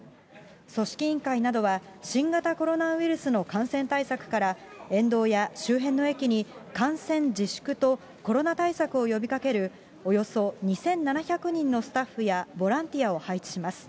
組織委員会などは、新型コロナウイルスの感染対策から、沿道や周辺の駅に観戦自粛と、コロナ対策を呼びかける、およそ２７００人のスタッフやボランティアを配置します。